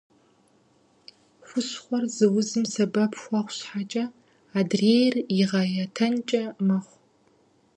Хущхъуэр зы узым сэбэп хуэхъу щхьэкӏэ, адрейр игъэятэнкӏэ мэхъу.